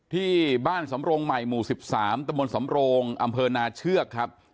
ที่บ้านสำรงใหม่หมู่๑๓ตศอเชือกครับ